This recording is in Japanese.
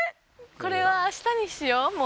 これは明日にしようもう。